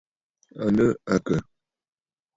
À nɨ̂ àkə̀?